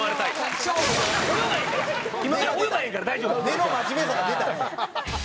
根の真面目さが出たね。